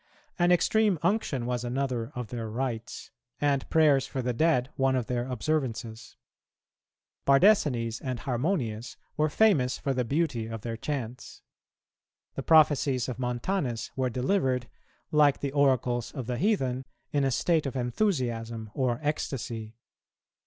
An extreme unction was another of their rites, and prayers for the dead one of their observances. Bardesanes and Harmonius were famous for the beauty of their chants. The prophecies of Montanus were delivered, like the oracles of the heathen, in a state of enthusiasm or ecstasy.